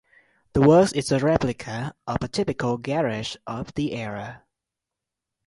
The works is a replica of a typical garage of the era.